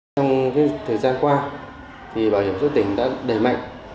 trong thời gian qua bảo hiểm xã tỉnh đã đẩy mạnh